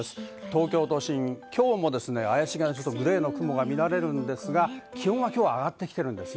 東京都心、今日もグレーの雲が見られるんですが気温は上がってきています。